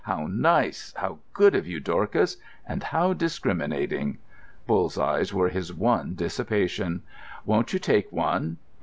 How nice! How good of you, Dorcas! And how discriminating!" (Bull's eyes were his one dissipation.) "Won't you take one?"